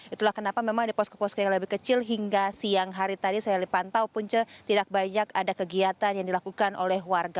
itulah kenapa memang di posko posko yang lebih kecil hingga siang hari tadi saya pantau punca tidak banyak ada kegiatan yang dilakukan oleh warga